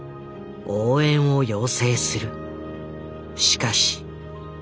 しかし。